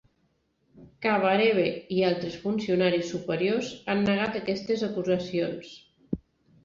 Kabarebe i altres funcionaris superiors han negat aquestes acusacions.